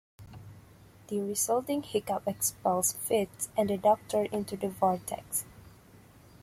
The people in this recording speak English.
The resulting "hiccup" expels Fitz and the Doctor into the vortex.